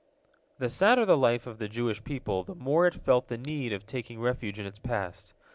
The sadder the life of the Jewish people, the more it felt the need of taking refuge in its past.